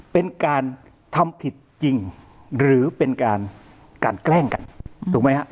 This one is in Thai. เป็นการทำผิดจริงหรือเป็นการการแกล้งกันถูกไหมฮะ